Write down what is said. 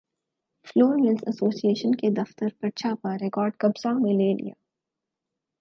floor mills association کے دفترپر چھاپہ ریکارڈ قبضہ میں لے لیا